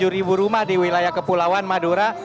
satu ratus tujuh ribu rumah di wilayah kepulauan madura